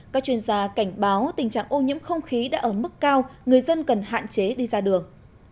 các chuyên gia cảnh báo tình trạng ô nhiễm không khí đã ở mức cao người dân cần hạn chế đi ra đường